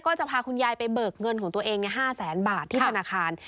จะพาคุณยายไปเบิกเงินของตัวเอง๕แสนบาทที่ธนาคาร